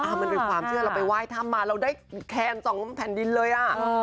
มันเป็นความเชื่อเราไปไหว้ถ้ำมาเราได้แคนสองแผ่นดินเลยอ่ะ